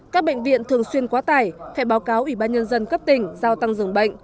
các bệnh viện thường xuyên quá tải phải báo cáo ủy ban nhân dân cấp tỉnh giao tăng dường bệnh